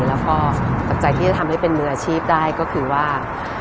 แล้วก็ปัจจัยที่จะทำให้เป็นมืออาชีพได้ก็คือว่า